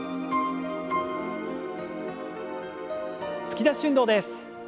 突き出し運動です。